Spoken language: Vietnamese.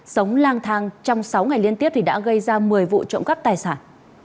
sống lang thang trong sáu ngày liên tiếp thì đã gây ra một mươi vụ trộm cắp tài sản